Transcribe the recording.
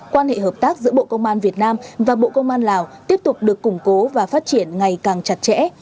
quan hệ hợp tác giữa bộ công an việt nam và bộ công an lào tiếp tục được củng cố và phát triển ngày càng chặt chẽ